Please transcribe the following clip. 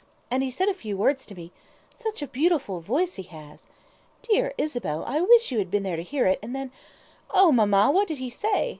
And he said a few words to me such a beautiful voice he has. Dear Isabel, I wish you had been there to hear it, and then " "Oh, Mamma, what did he say?"